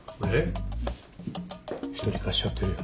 人に貸しちゃってるよ。